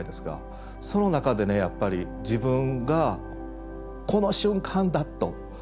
その中でねやっぱり自分が「この瞬間だ」と。